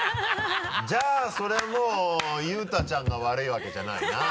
じゃあそれはもう佑太ちゃんが悪いわけじゃないな。